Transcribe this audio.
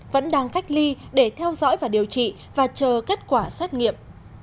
vẫn đang cách ly để theo dõi và điều trị và chờ kết quả xét nghiệm